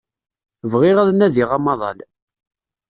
Bɣiɣ ad nadiɣ amaḍal.